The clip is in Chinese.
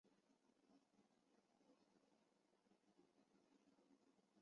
反对人士批评宗教信仰并不是欧盟所规定需要调查的项目。